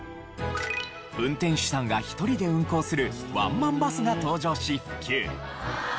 運転手さんが１人で運行するワンマンバスが登場し普及。